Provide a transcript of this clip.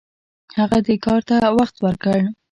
هغه دې کار ته وخت ورکړ.